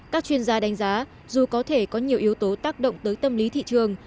các chuyên gia đánh giá dù có thể có nhiều yếu tố tác động tới tâm lý thị trường